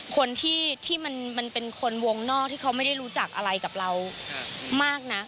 คนที่มันเป็นคนวงนอกที่เขาไม่ได้รู้จักอะไรกับเรามากนะ